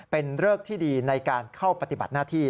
เป็นเริกที่ดีในการเข้าปฏิบัติหน้าที่